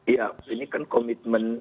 ya ini kan komitmen